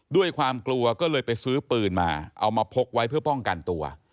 ด้วยความกลัวก็เลยไปซื้อปืนมาเอามาพกไว้เพื่อป้องกันตัว